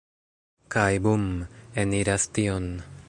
Kaj bum! Eniras tion.